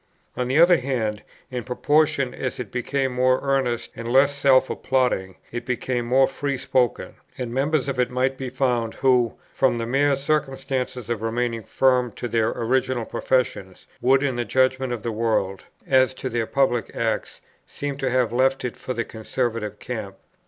On the other hand, in proportion as it became more earnest and less self applauding, it became more free spoken; and members of it might be found who, from the mere circumstance of remaining firm to their original professions, would in the judgment of the world, as to their public acts, seem to have left it for the Conservative camp.